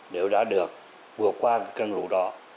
đều đã được vượt qua căn lũ đó